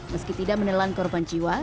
meski tidak menelan korban jiwa